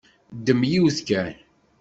Ddem yiwet kan.